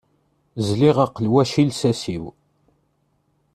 Zliɣ aqelwac i lsas-iw.